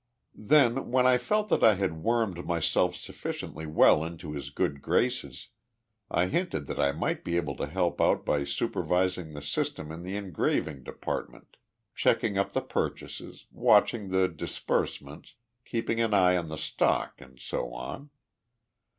"Then, when I felt that I had wormed myself sufficiently well into his good graces, I hinted that I might be able to help out by supervising the system in the engraving department checking up the purchases, watching the disbursements, keeping an eye on the stock and so on.